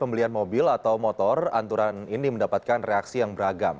pembelian mobil atau motor aturan ini mendapatkan reaksi yang beragam